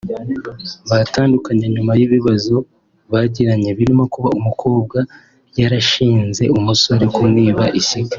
Batandukanye nyuma y’ibibazo bagiranye birimo kuba ‘umukobwa yarashinje umusore kumwiba ishyiga